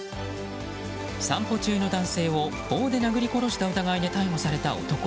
散歩中の男性を棒で殴り殺した疑いで逮捕された男。